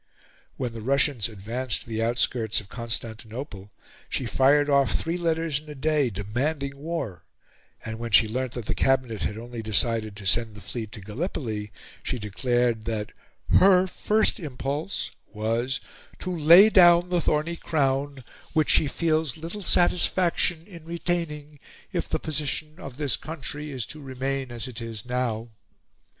When the Russians advanced to the outskirts of Constantinople she fired off three letters in a day demanding war; and when she learnt that the Cabinet had only decided to send the Fleet to Gallipoli she declared that "her first impulse" was "to lay down the thorny crown, which she feels little satisfaction in retaining if the position of this country is to remain as it is now."